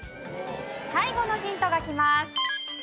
最後のヒントがきます。